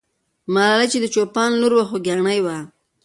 ملالۍ چې د چوپان لور وه، خوګیاڼۍ وه.